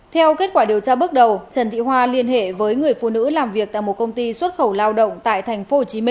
theo kết quả điều tra bước đầu trần thị hoa liên hệ với người phụ nữ làm việc tại một công ty xuất khẩu lao động tại tp hcm